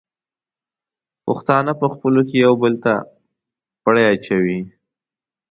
پښتانه په خپلو کې یو بل ته پړی اچوي.